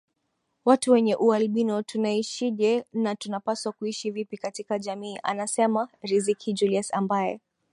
watu wenye ualbino tunaishije na tunapaswa kuishi vipi katika jamii anasema Riziki Julius ambaye